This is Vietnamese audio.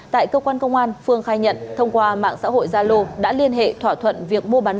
tại cơ quan công an phương khai nhận thông qua mạng xã hội zalo đã liên hệ thỏa thuận việc mua bán